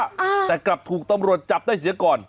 อ่าแต่กลับถูกตำรวจจับได้เสียก่อน